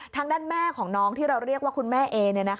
ทางด้านแม่ของน้องที่เราเรียกว่าคุณแม่เอ